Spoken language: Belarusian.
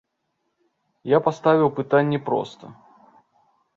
Я паставіў пытанні проста.